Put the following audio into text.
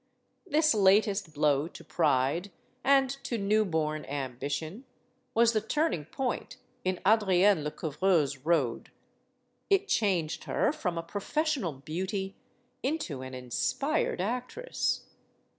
This latest blow to pride and to new born ambition was the turning point in Adrienne Lecouvreur's road. It changed her from a professional beauty into an in spired actress.